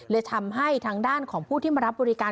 เลยทำให้ทางด้านของผู้ที่มารับบริการ